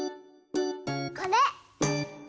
これ！